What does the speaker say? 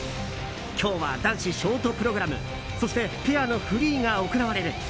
今日は男子ショートプログラムそしてペアのフリーが行われる。